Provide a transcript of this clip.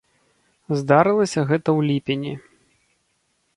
Здарылася гэта ў ліпені.